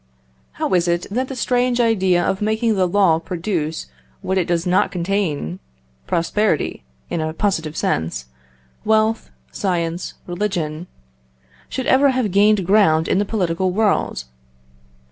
How is it that the strange idea of making the law produce what it does not contain prosperity, in a positive sense, wealth, science, religion should ever have gained ground in the political world?